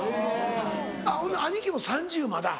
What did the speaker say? あっほんなら兄貴も３０まだ。